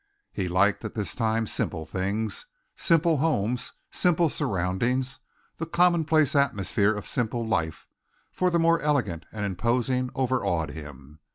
He liked, at this time, simple things, simple homes, simple surroundings, the commonplace atmosphere of simple life, for the more elegant and imposing overawed him.